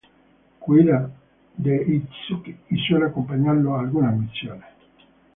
Cuida de Itsuki y suele acompañarlo a algunas misiones.